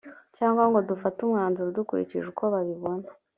cyangwa ngo dufate umwanzuro dukurikije uko babibona